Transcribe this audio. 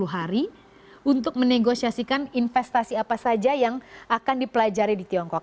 sepuluh hari untuk menegosiasikan investasi apa saja yang akan dipelajari di tiongkok